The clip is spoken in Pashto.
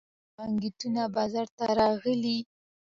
آیا نوي بانکنوټونه بازار ته راغلي؟